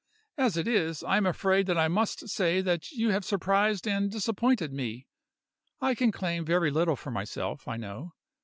As it is, I am afraid that I must say that you have surprised and disappointed me. I can claim very little for myself, I know.